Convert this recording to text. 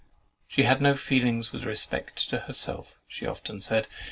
"She had no feelings with respect to herself," she often said.